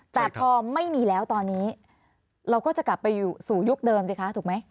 แต่พอไม่มีแล้วตอนนี้เราก็จะกลับไปอยู่สู่ยุคเดิมสิคะถูกไหม